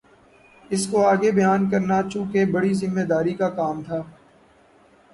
اِس کو آگے بیان کرنا چونکہ بڑی ذمہ داری کا کام تھا